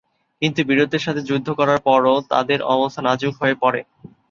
কিন্তু বীরত্বের সঙ্গে যুদ্ধ করার পরও তাদের অবস্থা নাজুক হয়ে পড়ে।